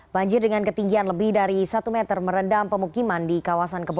banjir dengan ketinggian lebih dari satu meter merendam pemukiman di kawasan kebon